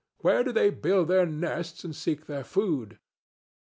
Where do they build their nests and seek their food?